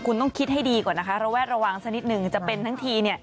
คุณต้องคิดให้ดีกว่านะคะระแวดระวังซะนิดนึง